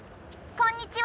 こんにちは。